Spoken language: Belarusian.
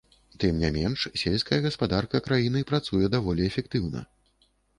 Тым не менш, сельская гаспадарка краіны працуе даволі эфектыўна.